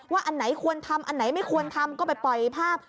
อันไหนควรทำอันไหนไม่ควรทำก็ไปปล่อยภาพ